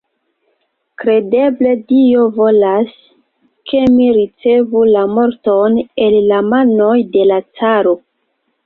Kredeble Dio volas, ke mi ricevu la morton el la manoj de la caro.